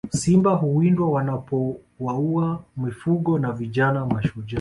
Simba huwindwa wanapowaua mifugo na vijana mashujaa